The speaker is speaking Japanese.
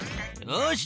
よし。